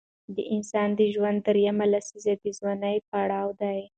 د انسان د ژوند دریمه لسیزه د ځوانۍ پړاو دی.